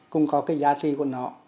cũng có cái giá trị của nó